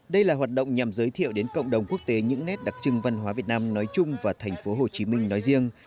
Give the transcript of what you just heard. đây là hoạt động nhằm giới thiệu đến cộng đồng quốc tế những nét đặc trưng văn hóa việt nam nói chung và thành phố hồ chí minh nói riêng